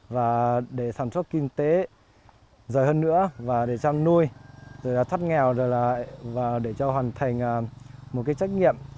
và để sản xuất kinh tế rời hơn nữa và để cho nuôi rồi là thắt nghèo rồi là để cho hoàn thành một cái trách nhiệm